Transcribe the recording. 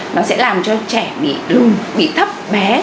nó sẽ làm cho trẻ bị lùng bị thấp bé